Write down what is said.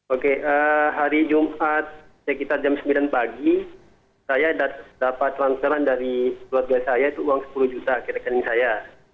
oke hari jumat sekitar jam sembilan pagi saya dapat transferan dari keluarga saya itu uang sepuluh juta ke rekening saya